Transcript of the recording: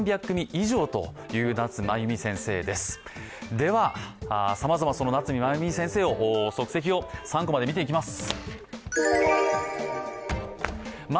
では、さまざま、夏まゆみ先生の足跡を「３コマ」で見ていきます。